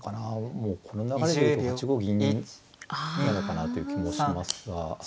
もうこの流れでいくと８五銀なのかなという気もしますが。